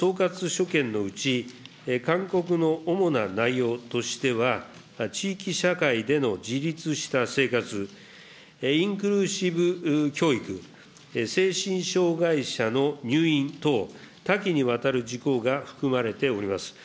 所見のうち、勧告の主な内容としては、地域社会での自立した生活、インクルーシブ教育、精神障害者の入院等、多岐にわたる事項が含まれております。